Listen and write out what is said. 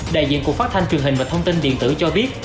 đại diện cục phát thanh truyền hình và thông tin điện tử cho biết